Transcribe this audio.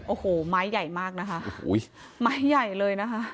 โอ้โหไม้ใหญ่มากนะฮะไม้ใหญ่เลยนะฮะ